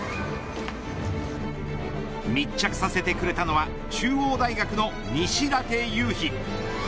密着させてくれたのは中央大学の西舘勇陽。